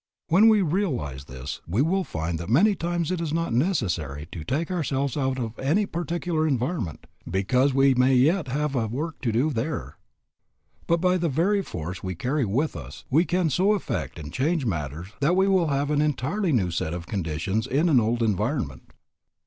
When we realize this we will find that many times it is not necessary to take ourselves out of any particular environment, because we may yet have a work to do there; but by the very force we carry with us we can so affect and change matters that we will have an entirely new set of conditions in an old environment.